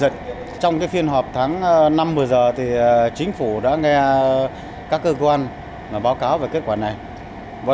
dân trong phiên họp tháng năm vừa giờ thì chính phủ đã nghe các cơ quan báo cáo về kết quả này và